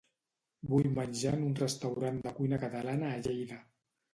Vull menjar en un restaurant de cuina catalana a Lleida.